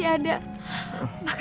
kita ada bebek